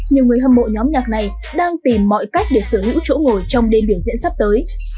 nhiều người hâm mộ nhóm nhạc này đang tìm mọi cách để sở hữu chỗ ngồi trong đêm biểu diễn sắp tới